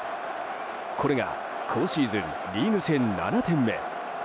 これが今シーズンリーグ戦７点目。